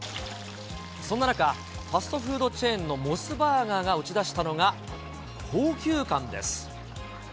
そんな中、ファストフードチェーンのモスバーガーが打ち出したのが、高級感です。